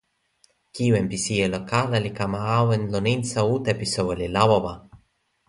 kiwen pi sijelo kala li kama awen lon insa uta pi soweli Lawawa.